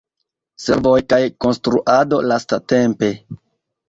Servoj kaj konstruado lastatempe.